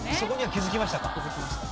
気づきました。